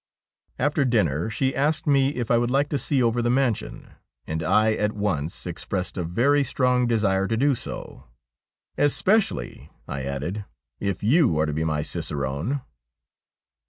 After dinner she asked me if I would like to see over the mansion, and I at once expressed a very strong desire to do so ;' especially,' I added, ' if you are to be my cicerone.'